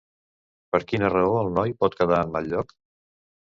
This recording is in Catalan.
Per quina raó el noi pot quedar en mal lloc?